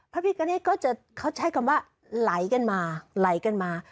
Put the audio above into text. พระพิกาเนตก็จะเขาใช้คำว่าไหลกันมาไหลกันมา